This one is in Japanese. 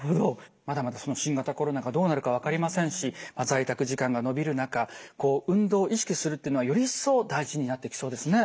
まだまだ新型コロナがどうなるか分かりませんし在宅時間が延びる中こう運動を意識するっていうのはより一層大事になってきそうですね。